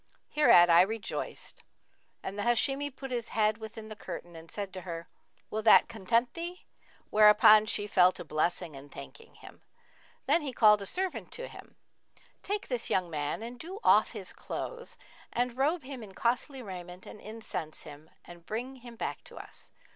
Hereat I rejoiced and the Hashimi put his head within the curtain and said to her, 'Will that content thee?'; whereupon she fell to blessing and thanking him. Then he called a servant and said to him, 'Take this young man and do off his clothes and robe him in costly raiment and incense[FN#49] him and bring him back to us.'